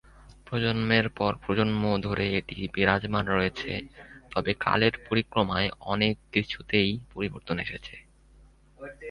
প্রজন্মের পর প্রজন্ম ধরে এটি বিরাজমান রয়েছে, তবে কালের পরিক্রমায় অনেক কিছুতেই পরিবর্তন এসেছে।